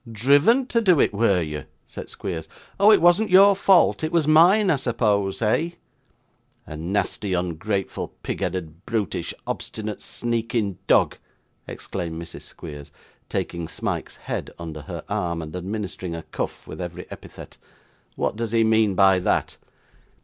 'Driven to do it, were you?' said Squeers. 'Oh! it wasn't your fault; it was mine, I suppose eh?' 'A nasty, ungrateful, pig headed, brutish, obstinate, sneaking dog,' exclaimed Mrs. Squeers, taking Smike's head under her arm, and administering a cuff at every epithet; 'what does he mean by that?